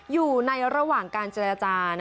อยู่ในระหว่างการเจรจา